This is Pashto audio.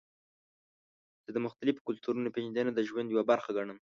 زه د مختلفو کلتورونو پیژندنه د ژوند یوه برخه ګڼم.